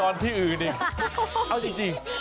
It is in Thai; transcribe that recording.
โอ้โอ้โอ้โอ้